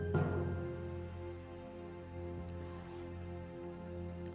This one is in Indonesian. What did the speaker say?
pergi sama mas doni